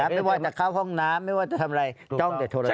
ไม่ว่าจะเข้าห้องน้ำไม่ว่าจะทำอะไรจ้องแต่โทรศั